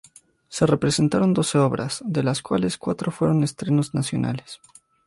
Se representaron doce obras, de las cuales cuatro fueron estrenos nacionales.